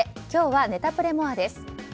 今日はネタプレＭＯＲＥです。